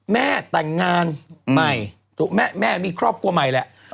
แม่แต่งงานใหม่แม่มีครอบครัวใหม่แหละ